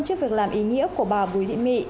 trước việc làm ý nghĩa của bà bùi thị mị